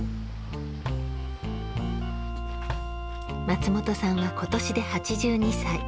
松本さんは今年で８２歳。